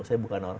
saya bukan orang